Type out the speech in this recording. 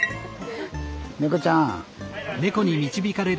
猫ちゃん。